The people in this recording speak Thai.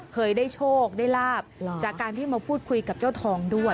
เคยได้โชคได้ลาบจากการที่มาพูดคุยกับเจ้าทองด้วย